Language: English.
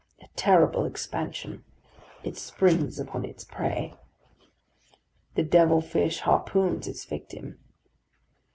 A terrible expansion! It springs upon its prey. The devil fish harpoons its victim.